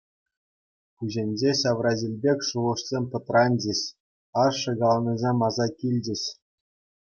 Пуҫӗнче ҫавра ҫил пек шухӑшсем пӑтранчӗҫ, ашшӗ каланисем аса килчӗҫ.